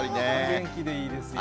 元気でいいですよ。